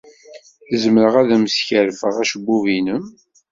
Zemreɣ ad am-skerfeɣ acebbub-nnem?